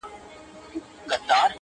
• کلونه واوښتل عمرونه تېر سول,